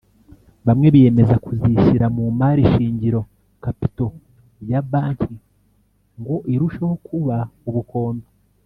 bamwe biyemeza kuzishyira mu mari shingiro (capital) ya Banki ngo irusheho kuba ubukombe